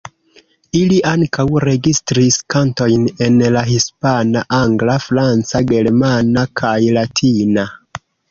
Ili ankaŭ registris kantojn en la hispana, angla, franca, germana kaj latina.